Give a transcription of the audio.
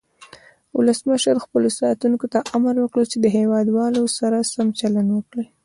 ولسمشر خپلو ساتونکو ته امر وکړ چې د هیواد والو سره سم چلند وکړي.